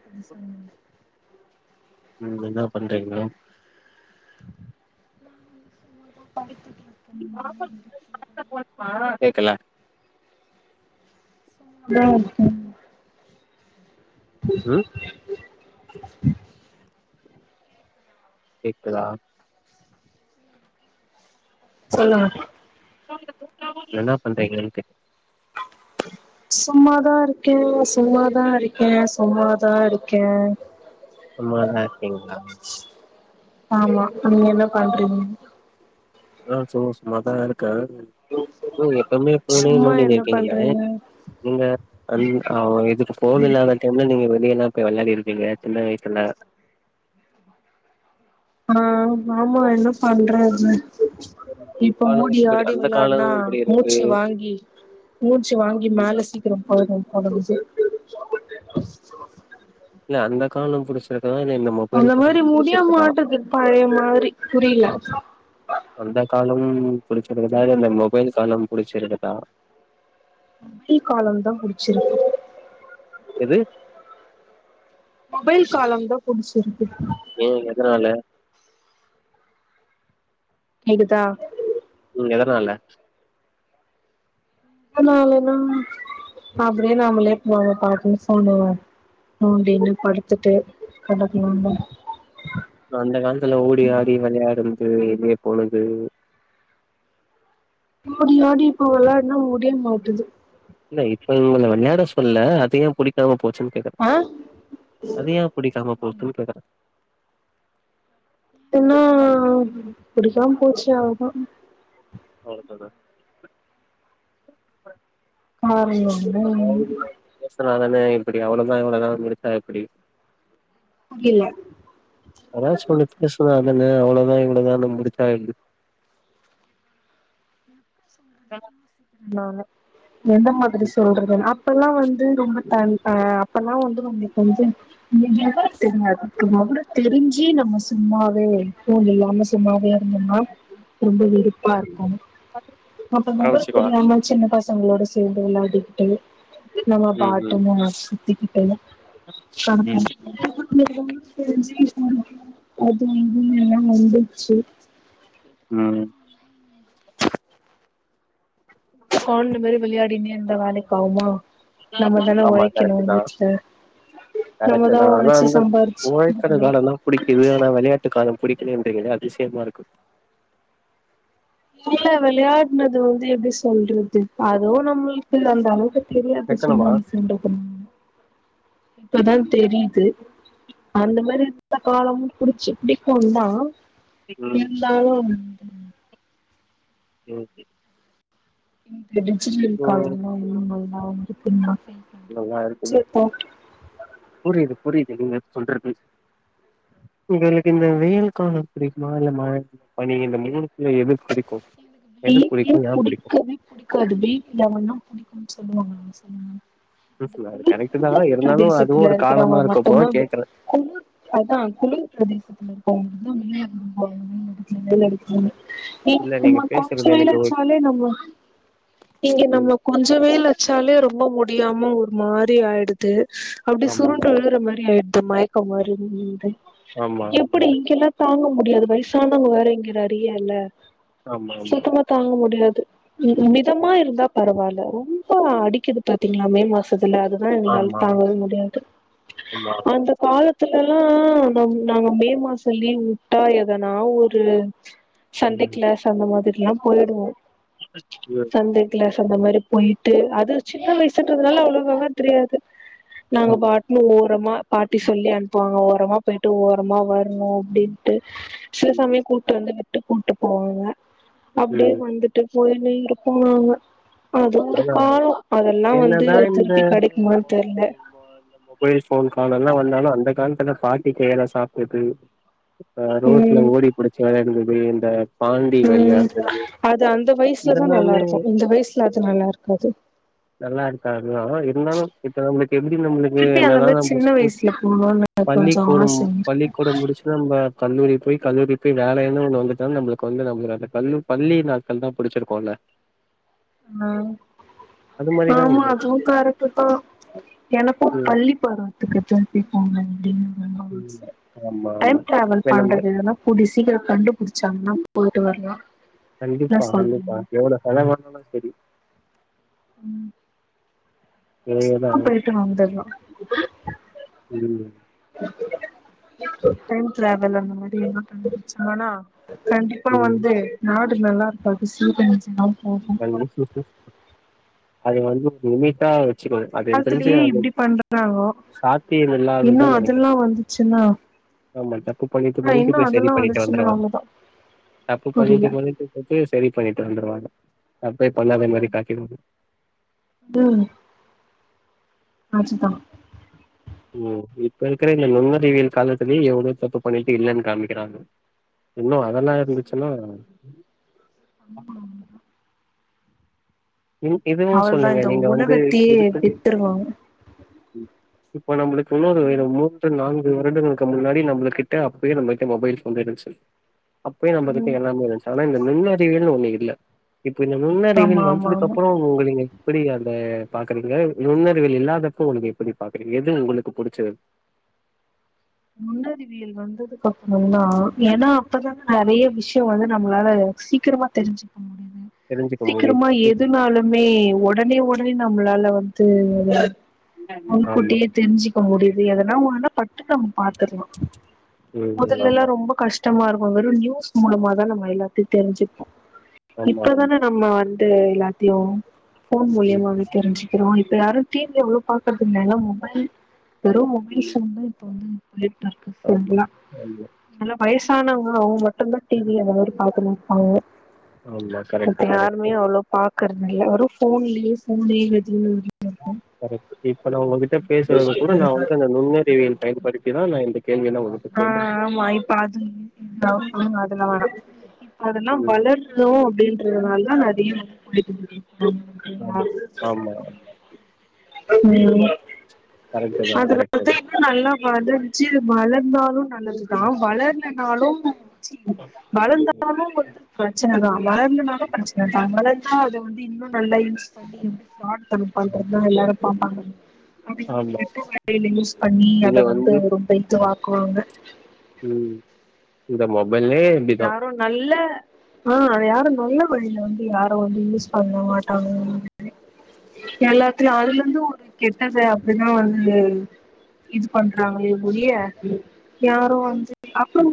அது சொல்லுங்க நீங்க என்னா பண்றீங்க கேக்கல [unintelligible] ம் கேக்குதா சொல்லுங்க என்னா பண்றீங்கன் கேட் சும்மாதா இருக்கே சும்மாதா இருக்கே சும்மாதா இருக்கே சும்மாதா இருக்கீங்ளா ஆமா நீங்க என்ன பண்றீங்க ஆ சும்மா சும்மாதா இருக்கே [unintelligible] எப்பமே ஃபோனே சும்மா நோன்டி என்ன இருக்கீங்களே பண்றீங்க நீங்க [unintelligible] எதுக்கு ஃபோன் இல்லாத டைம்ல நீங்க வெளில இப்ப வெள்ளான்டிருக்கீங்க சின்ன வயசுல அ ஆமா என்ன பண்றது இப்போ காலோ ஓடி இப்டி ஆடி அந்த காலோ வெள்ளாடுனா இப்டி இருக்கு மூச்சு வாங்கி மூச்சு வாங்கி மேல சீக்கிரோ [unintelligible] அ அந்த காலோ புடிச்ச அந்த மாரி முடிய மாட்டது பழைய மாரி புரியல ம் புடிச்சிருக்குதா இந்த மொபைல காலோ புடிச்சிருக்குதா மொபைல் காலேந்தா புடிச்சிருக்கு எது மொபைல் காலோந்தா புடிச்சிருக் ஏ எதனால கேக்குதா ம் எதனால எதனாலனா அப்புடின்னு நம்மளே ஃபோன பாத்து [unintelligible] நோடின்னு படுத்துட்டு கெடக்கலாம்ல அந்த காலத்துல ஓடி ஆடி வெளையாடணு து இனியே பொழுது ஓடி ஆடி இப்போ வெள்ளாடுனா முடிய மாட்டுது இல்லே இப்ப உங்கள வெள்ளாட சொல்லலே அதயே புடிக்காம போ போச்சுன்னு கேக்கறே ஆ அது ஏன் புடிக்காம போச்சுன்னு கேக்கறே என்னா புடிக்காம போச்சு அவ்ளதா அவ்ளேதானா [unintelligible] சும்மாதன எப்புடி அவ்வுங்களதா இவ்வுங்களதானு முடிச்சா எப்புடி புரியலே வர [unintelligible] என்னங்க அவ்ளோத இவ்ளோதானு முடிச்சா எப்புடி நானு எந்த மாதிரி சொல்றது நா இப்பல்லா வந்து ந்து ரொம்ப [unintelligible] அப்பெல்லா வந்து ரொம்ப கொஞ்சோ [inaudible] தெரிஞ் ஜி நம்ம சும்மாவே ஃபோன் இல்லாம சும்மாவே கொஞ்சமா ரொம்ப வெருப்பாருக்கு அப்ப நம்பர் காமிச்சுக்குவா தெரியாம சின்ன பசங்களோட சேர்ந்து விள்ளாடி [inaudible] இப்ப‌ நம்ம ம் ம் [unintelligible] சுத்தி கிட்டலே ம் [unintelligible] [inaudible] அது வந்து எல்லா வந்துச்சு ம் கொழந்த மாரி விளையாடின்னே இருந்தா வேலைக்கு ஆவுமா ஆமா கரெக்ட்டுதா நம்மதா கரெக்ட்டுதா ஆனா ஒழச்சு வந்து சம்பாரிச்சு உழைக்கிற குடுக்கணு காலந்தா பிடிக்குது ஆனா விளையாட்டு காலம் புடிக்கலேன்றிகளே அதிசயமா இருக்கு இல்ல விளையாடுனது வந்து எப்புடி சொல்றது அதுவு நம்ளுக்கு இல்ல அந்த அளவுக்கு தெரியாத வெக்கணுமா பிரச்சன [unintelligible] இப்பதா ம் தெரியுது அந்த மாரி இருந்த காலமும் புடிச்சு பிடிக்குந்தா ம். எந்த அளவு ம் ம் ம் இந்த டிஜிட்டல் ம் [unintelligible] னா வந்து பின்ன நல்லா இருக்குது புரியது புரியுது நீங்க சொல்ற பே உங்களுக்கு இந்த வெயில் காலம் [unintelligible] மழ பனி இந்த மூனுத்துல எது புடிக் எனக்கு வெயிலே புடிக்கவே புடிக்காது வெயில்ல வெளாணுனா பிடிக்குனு சொல்வாங்க இந்த ம் அது குளிர் கரெக்ட் தா குளிர் இருந்தாலு அதுவு பிரதேசத்துல ஒரு இருக்கிறவங்கள காலமா இருக்கப்போ மட்டுந்தா அது கேக்குறே குளிர் அதா குளிர் பிரதேசத்துல இருக்கவங் [unintelligible] நீ இல்ல நீங்க நம்ம கொஞ்சம் பேசுறது மேல எனக்கு ஒரு வச்சாலே நம்ம இங்க ம் நம்ம கொஞ்சவேல் வச்சாலே ரொம்ப முடி முடியாம ஒரு மாதிரி ஆயிடுது அப்படி ஆமா சுருண்டு விழுகற மாதிரி ஆயி த மயக்கம் மாரி உ ஆமா எப்படி இங்கெல்லாம் தாங்க முடியாது வயசானவங்க வேற இங்க நிறையா இல்ல ஆமா சுத்தமா தாங்க முடியாது மிதமா இருந்தா பரவாயில்ல ரொம்ப அடிக்குது ப ங்களா மே மாசத்து அதான் எங்களால ஆமா ஆமா தாங்கவும் முடியாது ஆமா அந்த காலத்துல [unintelligible] நாங்க மே ம் மாசம் லீவ் ட்டா எதனா ஒரு சண்டே கிளாஸ் அந்த மாதிரிலாம் போயிடுவோம் ம் அந்த மாதிரி போயிட்டு அது சின்ன வயசுன்றதுனால அவ்வளவு விவரம் தெரியாது ஆமா ஆமா ஆமா ம் ம் நாங்க ஆமா பாட்ன்னு ஓரமா பாட்டி சொல்லி அனுப்புவாங்க ஓரமா போயிட்டு ஓரமா வரணும் அப்படின்ட்டு சில ம் சமயம் கூட்டு வந்து விட்டு கூட்டு போவாங்க அப்படியே ம் வந்துட்டு போயன்னு இருக்குமாங்க அது ஒரு ஆனா காலம் அதெல்லாம் வந்து என்னதா இந்த திருப்பி மொ கெடைக்குமான்னு தெர்ல மொ இந்த மொபைல் ஃபோன் காலெல்லா வந்தாலு [inaudible] பாட்டி கையால சாப்டது ஆ ரோட்ல ம் ஓடி புடுச்சு வெலாண்டது து இந்த பாண்டி ம் வெளையாடுறது அது அந்த வயசுலதான் நல்லா இதெல்லாமே இருக்கும் இந்த வயசுல அது நல்லா இருக்காது நல்லா இருக்காது தான் இரு தாலும் இப்ப [unintelligible] எப்படி நம்மளுக்கு திருப்பி அந்த என்னதான் மாரி நம்ம சின்ன ஸ்கூல் வயசுல போணுனு கொஞ்சோ பள்ளிக்கூடம் ஆசைங்க இருக்கு. பள்ளிக்கூடம் முடிச்சு நம்ம கல்லூரி போய் கல்லூரிக்கு வேலைன்னு ஒண்ணு வந்துதா நம்மளுக்கு வந்து நம்ம அந்த கல்லூ பள்ளி நாட்கள் தான் புடிச்சிருக்கோல்ல ஆ ஆமா இது அதுவும் கரக்ட்டுதுதான் எனக்கும் ம் பள்ளி பருவத்துக்கு திருப்பிப்போநு அப்படின்னுா ம் ஆமா டைம் ஆமா டிராவல் இப்ப நம்ம பண்றது இதல்லாம் கூடியசீகரம் கண்டு டிச்சாங்கன்னா போயிட்டு வரலாம் கண்டிப்பா கண்டிப்பா எவ்ளவு செலவாநாலும் சரி சரி ம் தேவையதா சும்மா போயிட்டு வந்துறலா ம் டைம் டிராவல் அந்த மாதிரி என்ன கண்டுபுடிச்சாங்கனா கண்டிப்ப ம் வந்து நாடு நல்லா இருக்கும் [unintelligible] [unintelligible] [inaudible] வச்சுக்கும் அது என தெரிஞ்சு காலத்திலயே அது இப்டி பண்றாங்கோ சாத்தியம் இன்னு இல்லாததுநு நினைக்கிற அதெல்லா வந்துச்சுன்னா ஆமா தப்பு பண்ணிட்டு ஆனா மணிக்கு இன்னு போய் சரி அதெல்லா பண்ணிட்டு வந்துச்சுன்னா வந்துருவாங்க அவ்ளோதா தப்பு புரியல பண்ணட்டு மணிக்கு போட்டு சரி பண்ணிட்டு வந்துருவாங்க தப்பே பண்ணாத மாரி காட்டீடுவாங்க து ஆச்சுதா உம் இப்ப இருக்கிற இந்த நுண்ணறிவியல் காலத்தலயே எ்வளவு தப்பு பண்ணிட்டு இல்லைன்னு காமிக்கிறாங்க இன்னு அதெல்லா இருந்துச்சுன்னா ஆமா ஆமா இன் இதுவும் அவளதா சொல்லுங்க இந்த நீங்க வந்து உலகத்தையே இதுக்குன்னு வித்துருவாங்க இப்ப நம்ளக் உன்னோரு வகையில மூத்த நாங் இரண்டு வருடங்களுக்கு முன்னாடி நம்மகிட்ட அப்பயே நம்மகிட்ட மொபைல் ஃப்போன் இருந்ச்சு அப்பயே நம்ம கிட்ட ம் எல்லாமே இருந்துச்சு ஆனா இந்த நின்னு [unintelligible] ஒண்ண இல இப்போ இந்த முன்னறிவில் ஆமா ஆமா வந்ததுக்கு ஆமா அப் உங்கங்க எப்படி அந்த பாக்குறீங்க நுண்ணறிவில் இல்லாதப்போ உங்க எப்படி பாக்குறீங்க எது உங்களுக்கு புடிச்சது முன்னறிவியல் வந்ததுக்கு அப்ரோதா ஏனா அப்பதான நறைய விஷ யோ வந்து நம்மளால சீக்கிரமா தெரிஞ்சு முடியது தெரிஞ்சுக்க முடியுது சீக்கிரமா இப் எதுனாலுமே உடனே உடனே நம் ம்பளால வந்து ஆமா முன்கூட்டியே தெரிஞ்சிக்க முடியுது எதன ஒன்னுனா பட்டு த பார்த்துருலா ம் முதல்ல எல்லா ஆமா ரொம்ப கஷ் டமா இருக்கு வெறு நியூஸ் மூலமா தா நம்ம எல்லாத்தையு தெரிஞ்சுப்போ ஆமா இப்பதானே ஆமா நம்ம வந்த் ந்த் எல்லாத்தையு ஃபோன் ம் மூலியமாவே தெரிஞ்சுக்கிறோ யாரு டிவி அவ்ளவா பாக்கறதுல்ல மொபைல் வெறு உபேஷ ம் தா இப்போ வந்து [unintelligible] ஆமா [unintelligible] ஆமா ஆனா வயசானவங்க அவங்க தமிழ் டிவில அந்தமாரி பாக்கணு [unintelligible] ஆமா கரெக்ட் அது கரெக்ட் யாருமே அவ்வளோ பா குரதுல வெறு போன்லயே போனே எல்லாத்தையு கர்க்ட் இப்ப நா உங்ககிட்ட பேசிறது கூட நா வந்து அந்த நுண்ணறிவியல் பயன்படுத்திதா நா இந்த கேள்வியெல்லா உங்ககிட்ட கேக்குறே ஆஹ் ஆமா இப்ப அது [inaudible] அதெல்லா வேணா அதெல்லா ம் வளர்ணு அப்டின் [unintelligible] நல்லா ஆமா ஆமா [unintelligible] வாய்ப்பு குடுக்கணு [inaudible] கரெக்ட் தா கரெக்ட் தா [inaudible] [inaudible] நல்லா பாடுன் சே வள ந்தாலு நல்லது தா வளர்லனாலு [inaudible] ம் வளந்தாலு வந்து பிரச்சன தா வளர்லனாலு பிரச்சன தா வளந்தா அத வந்து இன்னு நல்லா யூஸ் பண்ணி ஃப்ராடு தனோ பண்றது ஆமா தா எல்லாரு பாப்பாங்க [inaudible] ஆமா கெட்ட [inaudible] யூஸ் பண்ணி அத இது வந்து ரொம்ப இதுவா க்குவாங்க உம் இந்த மா யாரு நல்ல ஆஹ் அது யாரு நல்ல வழில வந்து யாரு வந்து யூஸ் பண்ண மாட்டாங்க [inaudible] ம் எல்லாத்துலயு அதுல வந்து ஒரு கெட்டத அப்டி தா வந்து இது பண்றாங்களே ஒழிய யாரு வந்து அப்றோ [inaudible]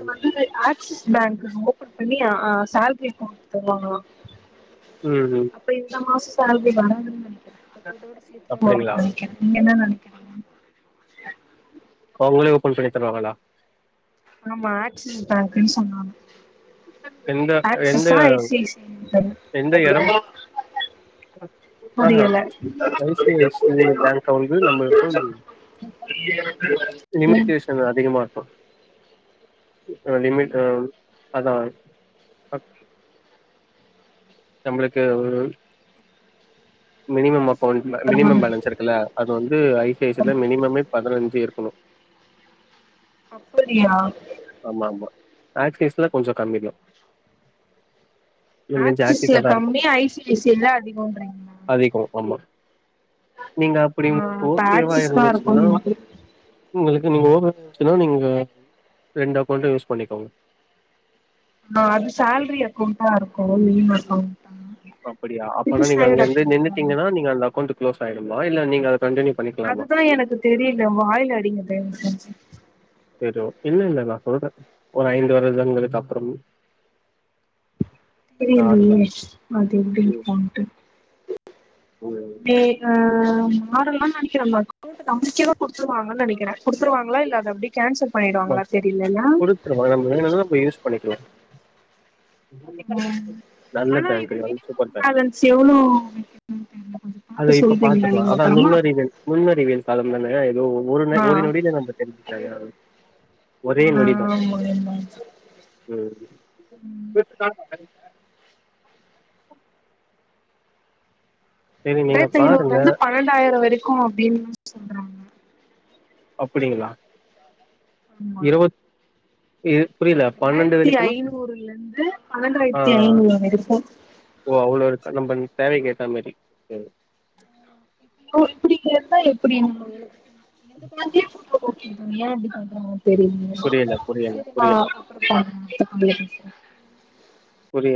ம் வந்து ஆக்சிஸ் பேங்க் ஓபன் பண்ணி அ சேலரி அக்கவுண்ட் தருவாங்களா ம் அப்ப இந்த மாச சேலரி வராதுன் அப்டிங்களா நெ [unintelligible] அவுங்களே ஓப்பன் பண்ணி தருவாங்களா ஆமா ஆக்சிஸ் பேங்க்னு சொன்னாங்க எந்த எந்த ஆக்சிஸா ஐசிஐசிஐ எந்த எடம் ஆஹா புரியல ஐ சி ஐ சி ஐ பேங்க வந்து நம்மளுக்கும் ம் லிமிட்டேஷன் அதிகமா இருக்கு லிமிட் ஆ அதா நம்மளுக்கு ஒரு மினிமம் அக்கௌண்ட்ல மினிமம் பரவால்ல பேலன்ஸ் இருக்குல்ல அது வந்து ஐ சி ஐ சி-ல ஆமா மினிமமே பதினஞ்சு இருக் [unintelligible] அப்படியா ஆமா ஆமா ஆக்ஸிஸ்ல கொஞ்சம் கம்மிதா எனக்கு தெரிஞ்சு ஆக்சிஸ்ல ஆக்சிஸா தா இருக்கு கம்மியா ஐ சி ஐ சி ஐ -ல அதிகன்றிங்களா அதிகோ ஆமா நீங்க அப்படி ஆ அப்ப ஓகேவா ஆக்சிஸ் தா இருக்கும்னு இருந்துச்சுன்னா நெனைக்கிறே உங்களுக்கு நீங்க ஓகந்துச்சுன்னா நீங்க ரெண்டு அக்கௌண்ட யூஸ் பண்ணிக்கோங்க ஆஹ் அது சேல்ரி அக்கௌண்டா இருக்கும் மெயின் அக்கௌன்ட் அப்படியா அப்பனா நீங்க அங்க இருந்து அக்கௌண்டா நின்னுட்டீங்கன்னா இருக்கு நீங்க அந்த அக்கௌண்ட் குளோஸ் ஆயிடுமா இல்ல நீங்க கன்டினியூ பண்ணிக்கலாமா? அதுதான் எனக்கு தெரியல வாயில் அடிங்க தயவ செஞ்சு செரி இல்ல இல்ல நான் சொல்றேன் ஒரு ஐந்து வருதங்கக்கு அப்புறம் இந்த தெரியலயே வருடம். அது எப்டி ம், இருக்கும்ன்ட்டு ம். ஏ அமா ஆரலாம்னு நெனைக்கறேன் [unintelligible] நம்பிக்கையா‌ குடுத்திறுவாங்கன்னு நெனைக்கறேன். குடுத்துருவாங்களா இல்ல அத அப்டி ஆமா குடுத்துருவாங்கனு வேணுனா நம்ம யூஸ் பண்ணிக்கலாம் ம் நல்ல ஆனா இது பேங்க். அது மினிமம் சூப்பர் பேலன்ஸ் எவ்ளோனு தெரில அது இப்ப பாத்துக்கலாம். அதான் நுண்ணறிவேல் நுண்ணறிவேல் காலம் தானே ஒரு ஆ ஒரு நொடியில நம்ம தெரிஞ்சக்கலாம். ஒரே ஆ நொடிதான் ஆமாங்க ம் சரி நீங்க ரெண்டாயிரத்து பாருங்க. ஐநூறுலருந்து பன்னெண்டாயிரம் வரைக் க்கும் அப்டின்னு சொல்றாங்க அப்டிங்களா ஆமா ஏ ரெண்டாயிரத்தி ஐநூறுல இருந்து பன்னெண்டாயிரத்தி ஆ. ஐநூறு வரைக்கும் ஓ அவ்ளோ இருக்கா நம்ம தேவைக்கு ஏத்த மாறி ஓ இப்டிங்க இருந்தா எப்டி [unintelligible] [unintelligible] ஏ இப்டி பண்றாங்க தெரியலே புரியல புரியல செரி நா புரியல அப்றம் பண் [unintelligible] [unintelligible] புரிய